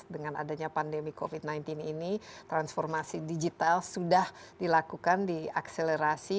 dengan adanya pandemi covid sembilan belas ini transformasi digital sudah dilakukan diakselerasi